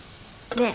ねえ。